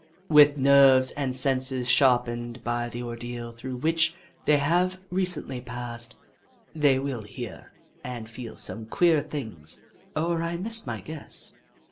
With nerves and senses sharpened by the ordeal through which they have recently passed, they will hear and feel some queer things, or I miss my guess.